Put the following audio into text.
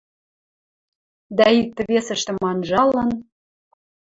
Дӓ икты-весӹштӹм анжалын